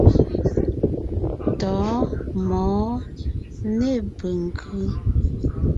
Tɔ̌ɔn, mɔ̌ɔn, nê penkʉ́.